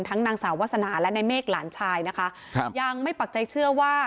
นางสาววาสนาและในเมฆหลานชายนะคะครับยังไม่ปักใจเชื่อว่า